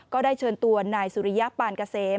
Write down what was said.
ก็ได้เชิญตัวนายสุริยะปานเกษม